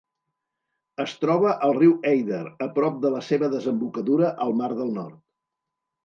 Es troba al riu Eider a prop de la seva desembocadura al mar del Nord.